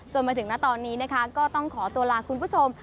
มาถึงณตอนนี้นะคะก็ต้องขอตัวลาคุณผู้ชม